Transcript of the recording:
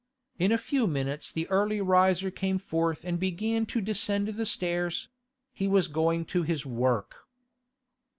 In a few minutes the early riser came forth and began to descend the stairs; he was going to his work.